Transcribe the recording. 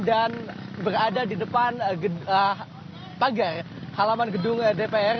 dan berada di depan pagar halaman gedung dpr